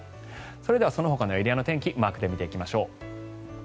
それではそのほかのエリアの天気マークで見ていきましょう。